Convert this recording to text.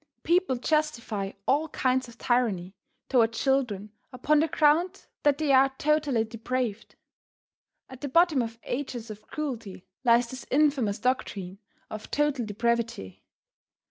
People justify all kinds of tyranny toward children upon the ground that they are totally depraved. At the bottom of ages of cruelty lies this infamous doctrine of total depravity.